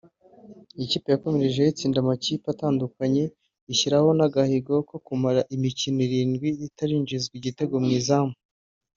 Iyi kipe yakomerejeho itsinda amakipe atandukanye ishyiraho n’agahigo ko kumara imikino irindwi itarinjizwa igitego mu izamu